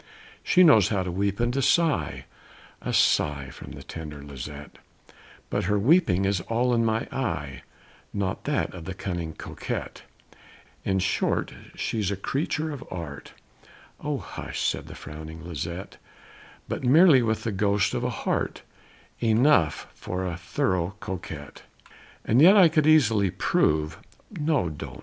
"She knows how to weep and to sigh" (A sigh from the tender Lisette), "But her weeping is all in my eye Not that of the cunning Coquette! "In short, she's a creature of art" ("O hush!" said the frowning Lisette), "With merely the ghost of a heart Enough for a thorough Coquette. "And yet I could easily prove" ("Now don't!"